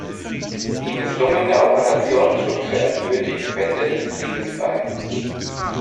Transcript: Die misslungene Operation trug zur endgültigen Wende des Krieges bei.